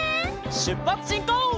しゅっぱつしんこう！